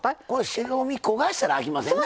白身、焦がしたらあきませんな。